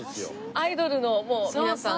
アイドルの皆さん。